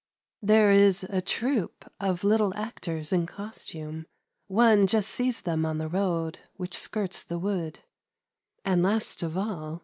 There is a troupe of lath actors in costume; one just them on the road which skirts the v. And last of all.